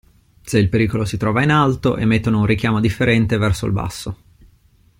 Se il pericolo si trova in alto emettono un richiamo differente verso il basso.